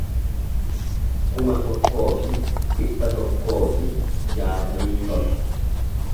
kuma tokkoo fi dhibba tokkoo fi jaatamii torba